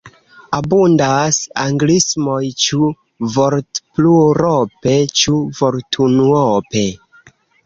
Abundas anglismoj – ĉu vortplurope, ĉu vortunuope.